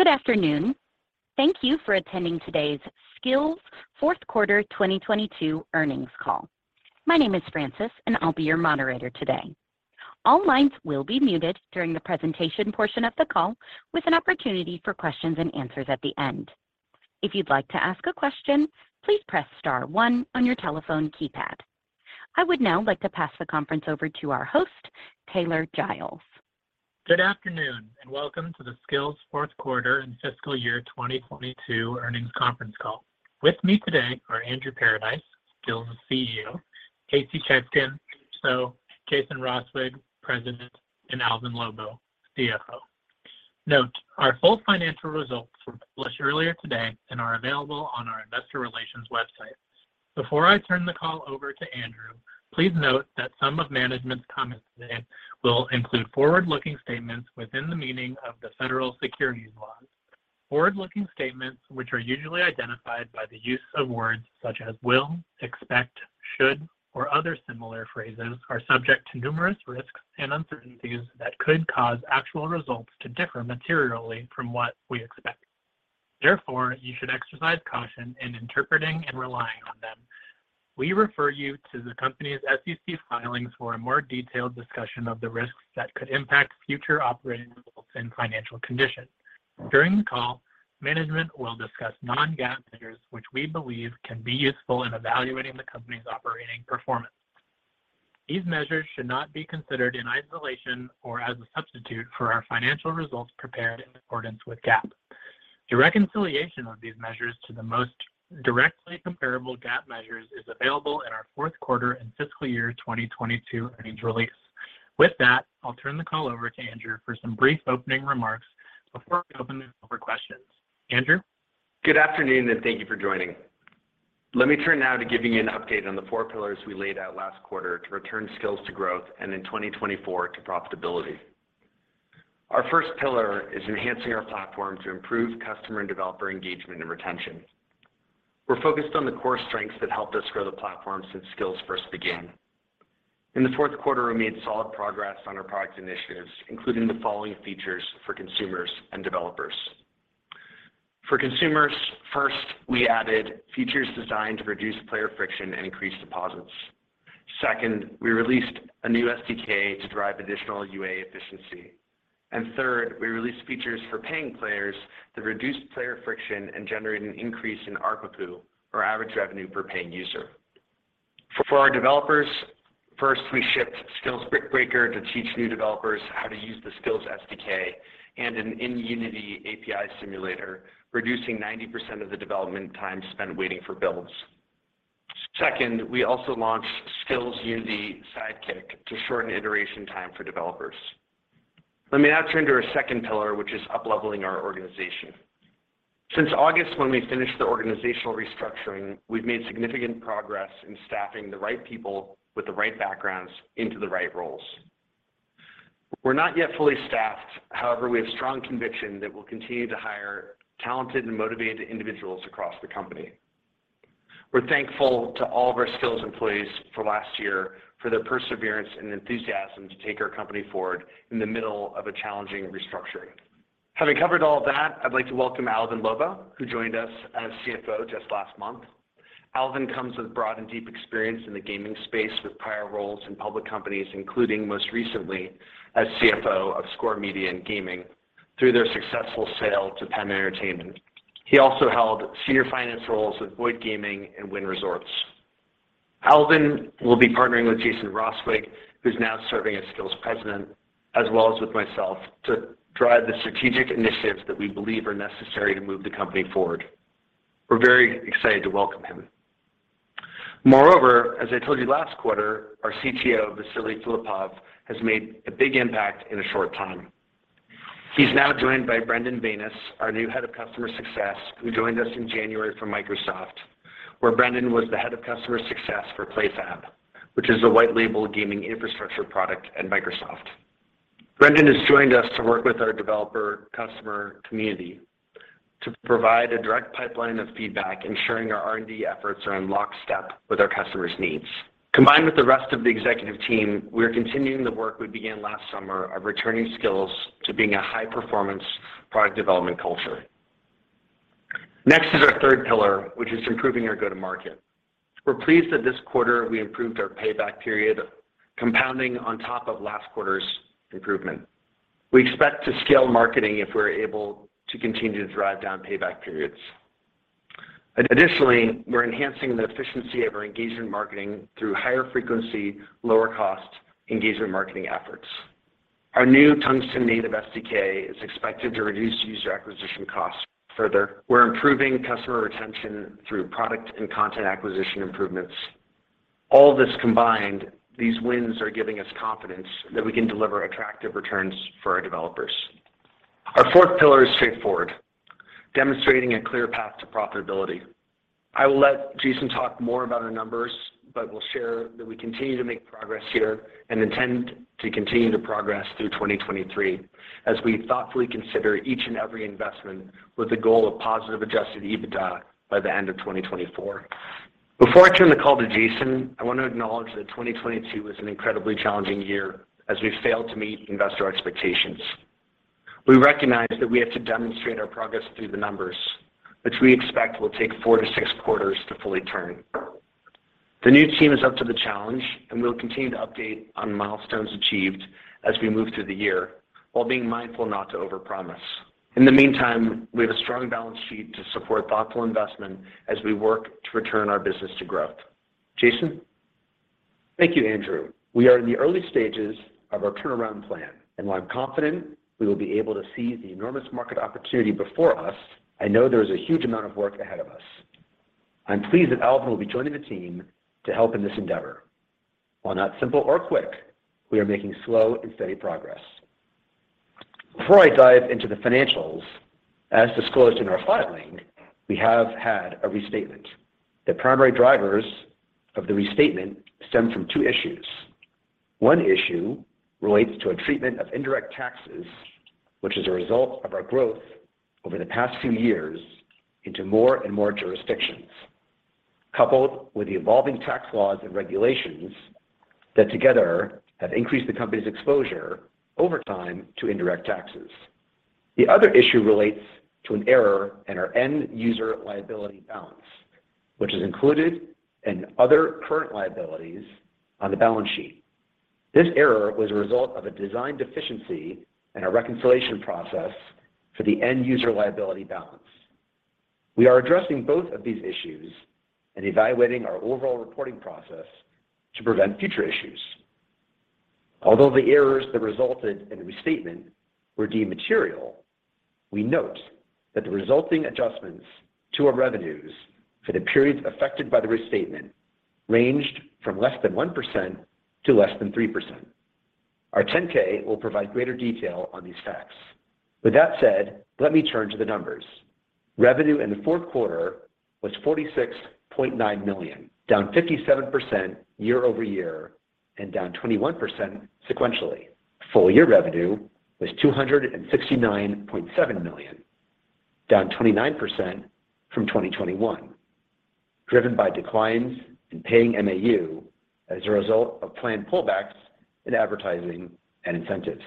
Good afternoon. Thank you for attending today's Skillz fourth quarter 2022 earnings call. My name is Francis, and I'll be your moderator today. All lines will be muted during the presentation portion of the call, with an opportunity for questions and answers at the end. If you'd like to ask a question, please press star one on your telephone keypad. I would now like to pass the conference over to our host, Taylor Giles. Good afternoon, welcome to the Skillz fourth quarter and fiscal year 2022 earnings conference call. With me today are Andrew Paradise, Skillz' CEO; Casey Chafkin, CFO; Jason Roswig, President; and Alvin Lobo, CFO. Note, our full financial results were published earlier today and are available on our investor relations website. Before I turn the call over to Andrew, please note that some of management's comments today will include forward-looking statements within the meaning of the federal securities laws. Forward-looking statements, which are usually identified by the use of words such as will, expect, should, or other similar phrases, are subject to numerous risks and uncertainties that could cause actual results to differ materially from what we expect. Therefore, you should exercise caution in interpreting and relying on them. We refer you to the company's SEC filings for a more detailed discussion of the risks that could impact future operating results and financial conditions. During the call, management will discuss non-GAAP measures, which we believe can be useful in evaluating the company's operating performance. These measures should not be considered in isolation or as a substitute for our financial results prepared in accordance with GAAP. The reconciliation of these measures to the most directly comparable GAAP measures is available in our fourth quarter and fiscal year 2022 earnings release. With that, I'll turn the call over to Andrew for some brief opening remarks before we open it up for questions. Andrew? Good afternoon. Thank you for joining. Let me turn now to giving you an update on the four pillars we laid out last quarter to return Skillz to growth and in 2024 to profitability. Our first pillar is enhancing our platform to improve customer and developer engagement and retention. We're focused on the core strengths that helped us grow the platform since Skillz first began. In the fourth quarter, we made solid progress on our product initiatives, including the following features for consumers and developers. For consumers, First, we added features designed to reduce player friction and increase deposits. Second, we released a new SDK to drive additional UA efficiency. Third, we released features for paying players that reduced player friction and generated an increase in ARPPU, or average revenue per paying user. For our developers, first, we shipped Skillz Brick Breaker to teach new developers how to use the Skillz SDK and an in-Unity API simulator, reducing 90% of the development time spent waiting for builds. Second, we also launched Skillz Unity SIDEkick to shorten iteration time for developers. Let me now turn to our second pillar, which is upleveling our organization. Since August, when we finished the organizational restructuring, we've made significant progress in staffing the right people with the right backgrounds into the right roles. We're not yet fully staffed. However, we have strong conviction that we'll continue to hire talented and motivated individuals across the company. We're thankful to all of our Skillz employees for last year for their perseverance and enthusiasm to take our company forward in the middle of a challenging restructuring. Having covered all of that, I'd like to welcome Alvin Lobo, who joined us as CFO just last month. Alvin comes with broad and deep experience in the gaming space with prior roles in public companies, including most recently as CFO of Score Media and Gaming through their successful sale to Penn Entertainment. He also held senior finance roles with Boyd Gaming and Wynn Resorts. Alvin will be partnering with Jason Roswig, who's now serving as Skillz President, as well as with myself to drive the strategic initiatives that we believe are necessary to move the company forward. We're very excited to welcome him. Moreover, as I told you last quarter, our CTO, Vassily Filippov, has made a big impact in a short time. He's now joined by Brendan Vanous, our new Head of Customer Success, who joined us in January from Microsoft, where Brendan was the Head of Customer Success for PlayFab, which is a white label gaming infrastructure product at Microsoft. Brendan has joined us to work with our developer customer community to provide a direct pipeline of feedback, ensuring our R&D efforts are in lockstep with our customers' needs. Combined with the rest of the executive team, we are continuing the work we began last summer of returning Skillz to being a high-performance product development culture. Our third pillar, which is improving our go-to-market. We're pleased that this quarter we improved our payback period, compounding on top of last quarter's improvement. We expect to scale marketing if we're able to continue to drive down payback periods. Additionally, we're enhancing the efficiency of our engagement marketing through higher frequency, lower cost engagement marketing efforts. Our new Tungsten native SDK is expected to reduce user acquisition costs further. We're improving customer retention through product and content acquisition improvements. All this combined, these wins are giving us confidence that we can deliver attractive returns for our developers. Our fourth pillar is straightforward: demonstrating a clear path to profitability. I will let Jason talk more about our numbers, but we'll share that we continue to make progress here and intend to continue to progress through 2023 as we thoughtfully consider each and every investment with the goal of positive adjusted EBITDA by the end of 2024. Before I turn the call to Jason, I want to acknowledge that 2022 was an incredibly challenging year as we failed to meet investor expectations. We recognize that we have to demonstrate our progress through the numbers, which we expect will take four to six quarters to fully turn. The new team is up to the challenge, we will continue to update on milestones achieved as we move through the year while being mindful not to over-promise. In the meantime, we have a strong balance sheet to support thoughtful investment as we work to return our business to growth. Jason. Thank you, Andrew. We are in the early stages of our turnaround plan, and while I'm confident we will be able to seize the enormous market opportunity before us, I know there is a huge amount of work ahead of us. I'm pleased that Alvin will be joining the team to help in this endeavor. While not simple or quick, we are making slow and steady progress. Before I dive into the financials, as disclosed in our filing, we have had a restatement. The primary drivers of the restatement stem from two issues. One issue relates to a treatment of indirect taxes, which is a result of our growth over the past few years into more and more jurisdictions, coupled with the evolving tax laws and regulations that together have increased the company's exposure over time to indirect taxes. The other issue relates to an error in our end-user liability balance, which is included in other current liabilities on the balance sheet. This error was a result of a design deficiency in our reconciliation process for the end-user liability balance. We are addressing both of these issues and evaluating our overall reporting process to prevent future issues. Although the errors that resulted in restatement were deemed material, we note that the resulting adjustments to our revenues for the periods affected by the restatement ranged from less than 1% to less than 3%. Our 10-K will provide greater detail on these facts. With that said, let me turn to the numbers. Revenue in the fourth quarter was $46.9 million, down 57% year-over-year and down 21% sequentially. Full year revenue was $269.7 million, down 29% from 2021, driven by declines in paying MAU as a result of planned pullbacks in advertising and incentives.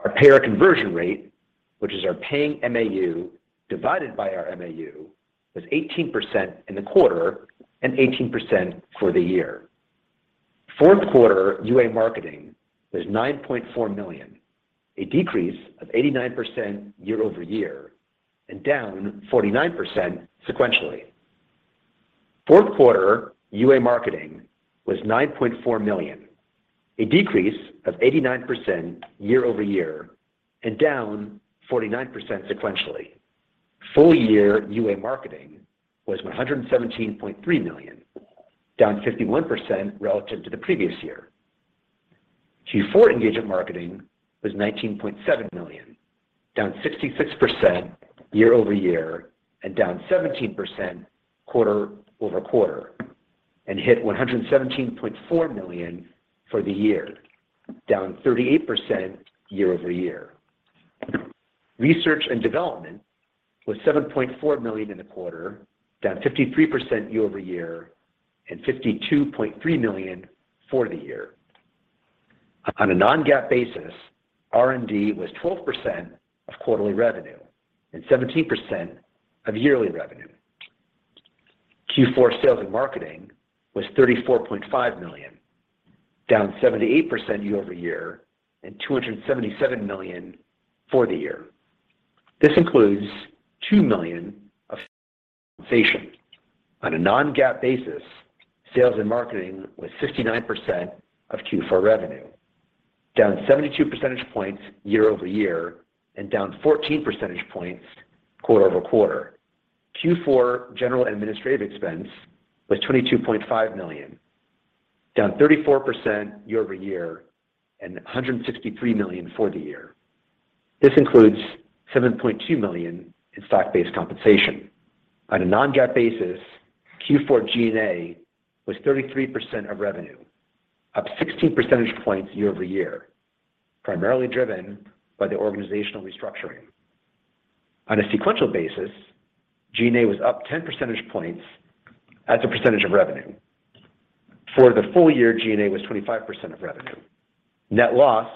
Our payer conversion rate, which is our paying MAU divided by our MAU, was 18% in the quarter and 18% for the year. Fourth quarter UA marketing was $9.4 million, a decrease of 89% year-over-year and down 49% sequentially. Fourth quarter UA marketing was $9.4 million, a decrease of 89% year-over-year and down 49% sequentially. Full year UA marketing was $117.3 million, down 51% relative to the previous year. Q4 engagement marketing was $19.7 million, down 66% year-over-year and down 17% quarter-over-quarter, hit $117.4 million for the year, down 38% year-over-year. Research and development was $7.4 million in the quarter, down 53% year-over-year, $52.3 million for the year. On a non-GAAP basis, R&D was 12% of quarterly revenue and 17% of yearly revenue. Q4 sales and marketing was $34.5 million, down 78% year-over-year, $277 million for the year. This includes $2 million of compensation. On a non-GAAP basis, sales and marketing was 69% of Q4 revenue, down 72 percentage points year-over-year, down 14 percentage points quarter-over-quarter. Q4 general and administrative expense was $22.5 million, down 34% year-over-year, and $163 million for the year. This includes $7.2 million in stock-based compensation. On a non-GAAP basis, Q4 G&A was 33% of revenue, up 16 percentage points year-over-year, primarily driven by the organizational restructuring. On a sequential basis, G&A was up 10 percentage points as a percentage of revenue. For the full year, G&A was 25% of revenue. Net loss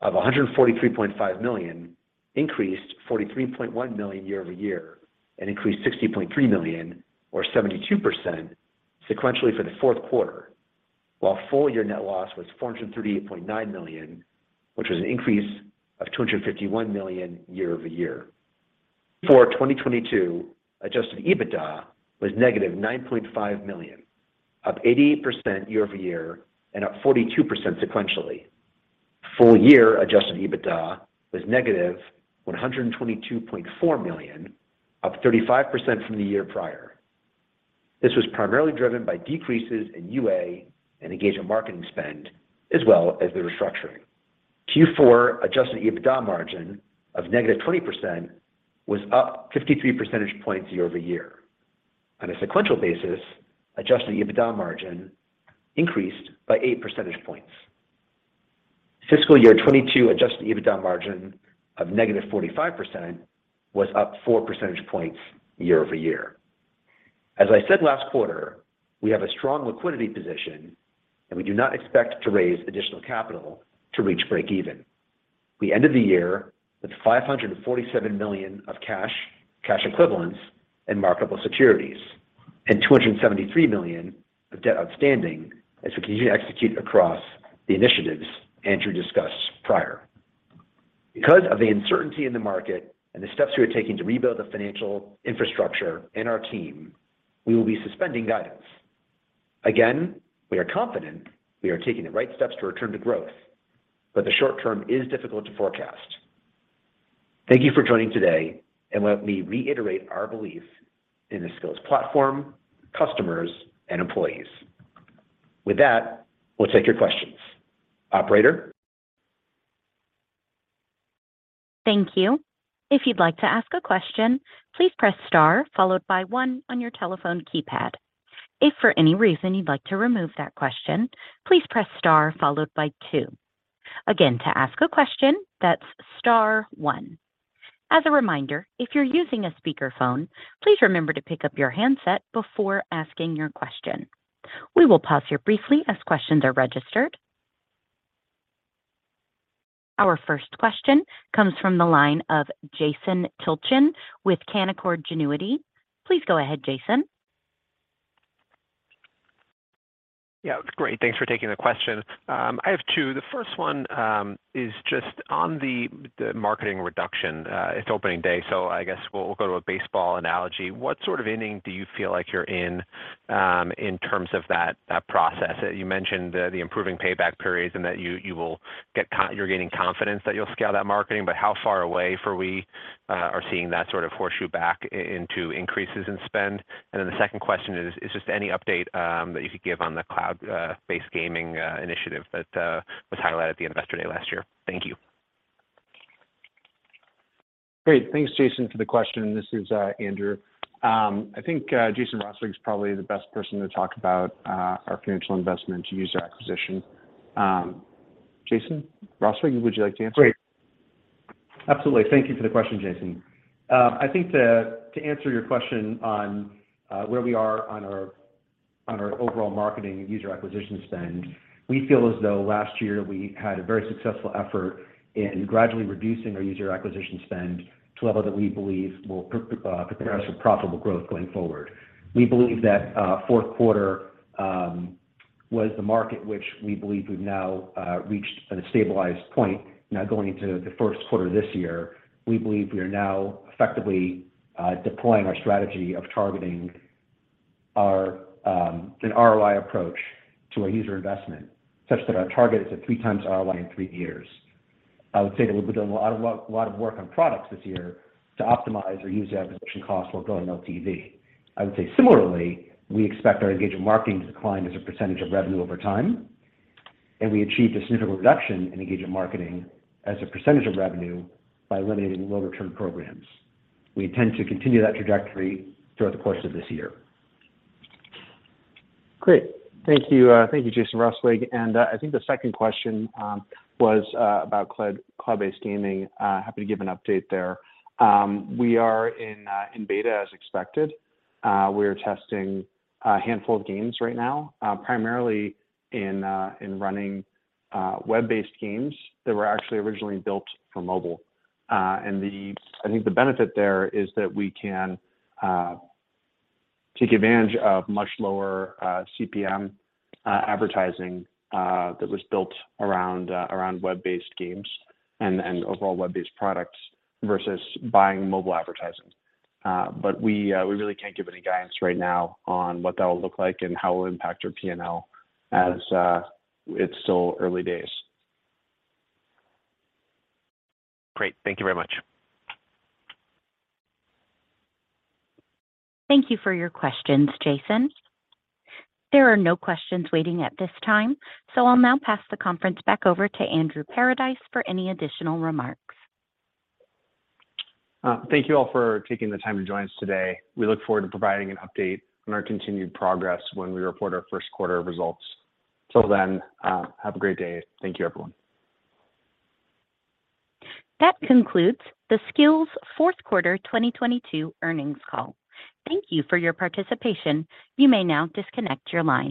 of $143.5 million increased $43.1 million year-over-year and increased $60.3 million or 72% sequentially for the fourth quarter, while full year net loss was $438.9 million, which was an increase of $251 million year-over-year. For 2022, adjusted EBITDA was -$9.5 million, up 88% year-over-year and up 42% sequentially. Full year adjusted EBITDA was -$122.4 million, up 35% from the year prior. This was primarily driven by decreases in UA and engagement marketing spend as well as the restructuring. Q4 adjusted EBITDA margin of -20% was up 53 percentage points year-over-year. On a sequential basis, adjusted EBITDA margin increased by 8 percentage points. Fiscal year 2022 adjusted EBITDA margin of -45% was up 4 percentage points year-over-year. As I said last quarter, we have a strong liquidity position, and we do not expect to raise additional capital to reach break even. We ended the year with $547 million of cash equivalents, and marketable securities, and $273 million of debt outstanding as we continue to execute across the initiatives Andrew discussed prior. Because of the uncertainty in the market and the steps we are taking to rebuild the financial infrastructure in our team, we will be suspending guidance. Again, we are confident we are taking the right steps to return to growth, but the short term is difficult to forecast. Thank you for joining today, and let me reiterate our belief in the Skillz platform, customers, and employees. With that, we'll take your questions. Operator? Thank you. If you'd like to ask a question, please press star followed by one on your telephone keypad. If for any reason you'd like to remove that question, please press star followed by two. Again, to ask a question, that's star one. As a reminder, if you're using a speakerphone, please remember to pick up your handset before asking your question. We will pause here briefly as questions are registered. Our first question comes from the line of Jason Tilchen with Canaccord Genuity. Please go ahead, Jason. Yeah. Great. Thanks for taking the question. I have two. The first one is just on the marketing reduction. It's opening day, so I guess we'll go to a baseball analogy. What sort of inning do you feel like you're in in terms of that process? You mentioned the improving payback periods and that you're gaining confidence that you'll scale that marketing, but how far away before we are seeing that sort of horseshoe back into increases in spend? The second question is just any update that you could give on the cloud based gaming initiative that was highlighted at the investor day last year. Thank you. Great. Thanks, Jason, for the question. This is Andrew. I think Jason Roswig is probably the best person to talk about our financial investment to user acquisition. Jason Roswig, would you like to answer? Great. Absolutely. Thank you for the question, Jason. I think to answer your question on where we are on our overall marketing user acquisition spend, we feel as though last year we had a very successful effort in gradually reducing our user acquisition spend to a level that we believe will prepare us for profitable growth going forward. We believe that fourth quarter was the market which we believe we've now reached a stabilized point. Now going into the first quarter this year, we believe we are now effectively deploying our strategy of targeting our an ROI approach to our user investment such that our target is at 3x ROI in three years. I would say that we've been doing a lot of work on products this year to optimize our user acquisition costs while growing LTV. I would say similarly, we expect our engagement marketing to decline as a percentage of revenue over time, and we achieved a significant reduction in engagement marketing as a percentage of revenue by eliminating lower return programs. We intend to continue that trajectory throughout the course of this year. Great. Thank you. Thank you, Jason Roswig. I think the second question was about cloud-based gaming. Happy to give an update there. We are in beta as expected. We're testing a handful of games right now, primarily in running web-based games that were actually originally built for mobile. I think the benefit there is that we can take advantage of much lower CPM advertising that was built around web-based games and overall web-based products versus buying mobile advertising. We really can't give any guidance right now on what that will look like and how it'll impact our P&L as it's still early days. Great. Thank you very much. Thank you for your questions, Jason. There are no questions waiting at this time. I'll now pass the conference back over to Andrew Paradise for any additional remarks. Thank you all for taking the time to join us today. We look forward to providing an update on our continued progress when we report our first quarter results. Till then, have a great day. Thank you, everyone. That concludes the Skillz fourth quarter 2022 earnings call. Thank you for your participation. You may now disconnect your lines.